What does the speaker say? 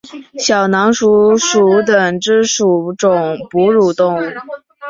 小囊鼠属等之数种哺乳动物。